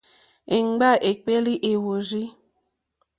Èmgbâ èkpéélì wêhwórzí.